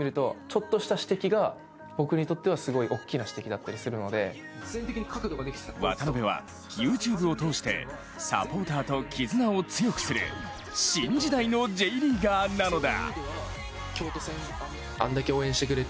励みになるコメントもあれば、時には渡邊は、ＹｏｕＴｕｂｅを通してサポーターと絆を強くする新時代のＪリーガーなのだ。